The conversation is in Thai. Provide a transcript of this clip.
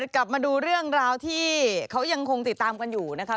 กลับมาดูเรื่องราวที่เขายังคงติดตามกันอยู่นะคะ